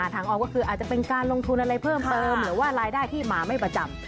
ทางออฟก็คืออาจจะเป็นการลงทุนอะไรเพิ่มเติมหรือว่ารายได้ที่มาไม่ประจำ